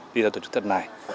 đi ra tổ chức thật này